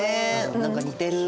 何か似てる！